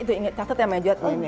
itu inget catat ya ma'ijot